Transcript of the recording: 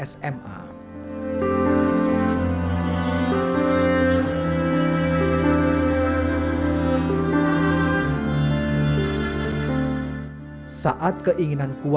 saat keinginan kuatnya alisa berubah menjadi seorang perempuan muda